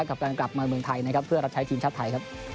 กับการกลับมาเมืองไทยนะครับเพื่อรับใช้ทีมชาติไทยครับ